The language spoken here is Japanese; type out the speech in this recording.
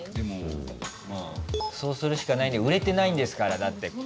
そうするしかない売れてないんですからだって。